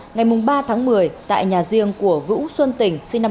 ngày ba tháng một mươi tại nhà riêng của vũ xuân tỉnh sinh năm một nghìn chín trăm